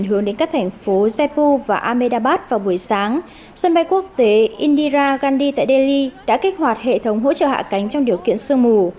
hướng đến các thành phố zepu và amedabad vào buổi sáng sân bay quốc tế indira gandhi tại delhi đã kích hoạt hệ thống hỗ trợ hạ cánh trong điều kiện sương mù